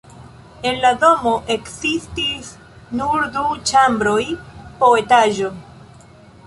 En la domo ekzistis nur du ĉambroj po etaĝo.